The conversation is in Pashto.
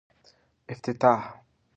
افتتاح